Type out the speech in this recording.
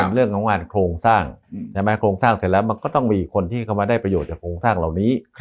เรื่องของโครงสร้างเสร็จแล้วก็ต้องมีคนที่เขามาได้ประโยชน์โครงสร้างเหล่านี้